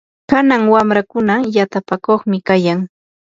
kanan wamrakuna yatapakuqmi kayan.